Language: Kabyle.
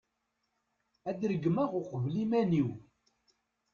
ad regmeɣ uqbel iman-iw